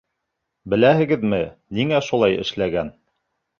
Беләһегеҙме, ниңә шулай эшләгән?